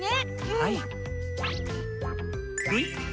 はい。